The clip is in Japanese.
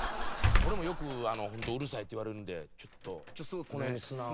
俺もよくホントうるさいって言われるんでちょっとこの辺に砂を。